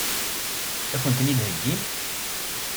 Ad kent-ten-id-heggin?